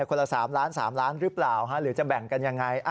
คนละ๓ล้าน๓ล้านหรือเปล่าหรือจะแบ่งกันยังไง